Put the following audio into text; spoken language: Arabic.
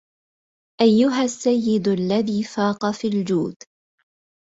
أيها السيد الذي فاق في الجود